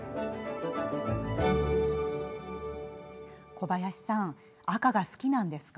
小林さん、赤が好きなんですか？